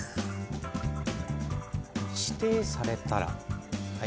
指定されたらはい。